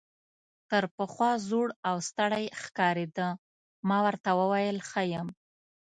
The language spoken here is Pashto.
تر پخوا زوړ او ستړی ښکارېده، ما ورته وویل ښه یم.